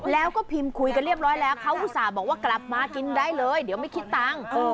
แล้วก็พิมพ์คุยกันเรียบร้อยแล้วเขาอุตส่าห์บอกว่ากลับมากินได้เลยเดี๋ยวไม่คิดตังค์